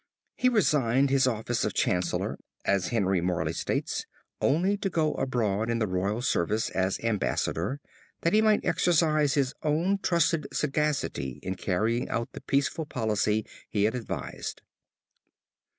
He resigned his office of Chancellor, as Henry Morley states, only to go abroad in the royal service as ambassador that he might exercise his own trusted sagacity in carrying out the peaceful policy he had advised.